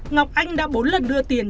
ngọc anh đã bốn lần đưa tiền